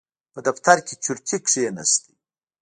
په دفتر کې چورتي کېناست.